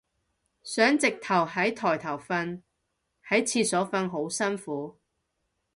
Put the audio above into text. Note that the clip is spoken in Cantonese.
想直接喺枱頭瞓，喺廁所瞓好辛苦